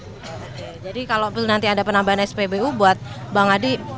oke jadi kalau nanti ada penambahan spbu buat bang adi